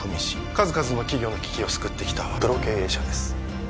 数々の企業の危機を救ってきたプロ経営者です